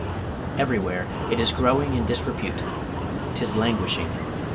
Everywhere it is growing in disrepute; 'tis languishing!